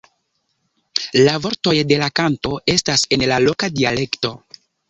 La vortoj de la kanto estas en la loka dialekto.